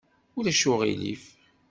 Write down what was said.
Ulac uɣilif.